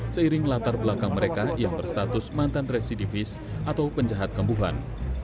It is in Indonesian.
seiring latar belakang mereka yang berstatus mantan residivis atau penjahat kambuhan